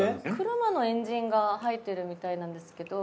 車のエンジンが入ってるみたいなんですけど。